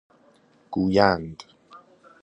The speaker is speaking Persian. گویند